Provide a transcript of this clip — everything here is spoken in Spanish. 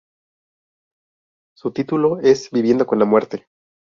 Su título es "Viviendo con la Muerte".